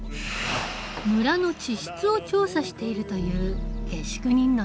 村の地質を調査しているという下宿人のネイト。